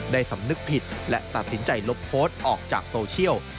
สำนึกผิดและตัดสินใจลบโพสต์ออกจากโซเชียล